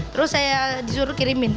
terus saya disuruh kirimin